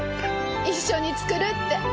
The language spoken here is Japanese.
一緒に作るって。